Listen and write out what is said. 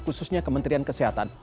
khususnya kementerian kesehatan